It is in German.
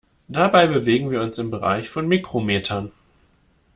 Dabei bewegen wir uns im Bereich von Mikrometern.